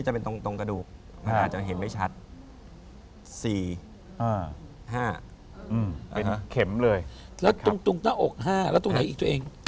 ๔๕เป็นเข็มเลยแล้วตรงตรงหน้าอก๕แล้วตรงไหนอีกตัวเอง